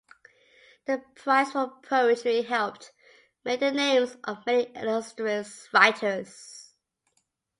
The prize for poetry helped make the names of many illustrious writers.